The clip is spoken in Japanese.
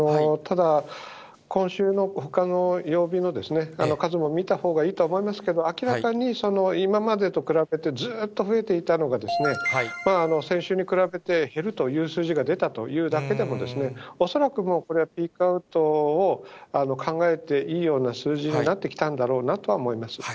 ただ、今週のほかの曜日の数も見たほうがいいと思いますけど、明らかに今までと比べて、ずっと増えていたのが、先週に比べて減るという数字が出たというだけでも、恐らくもうこれ、ピークアウト考えていいような数字になってきたんだろうなとは思います。